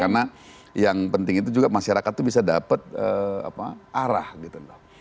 karena yang penting itu juga masyarakat itu bisa dapat arah gitu loh